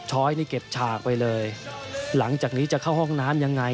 ้อยนี่เก็บฉากไปเลยหลังจากนี้จะเข้าห้องน้ำยังไง